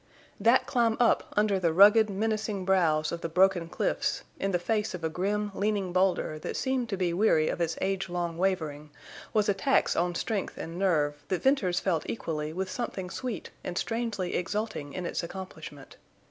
That climb up under the rugged, menacing brows of the broken cliffs, in the face of a grim, leaning boulder that seemed to be weary of its age long wavering, was a tax on strength and nerve that Venters felt equally with something sweet and strangely exulting in its accomplishment.